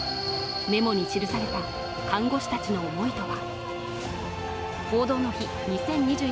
メモに記された看護師たちの思いとは。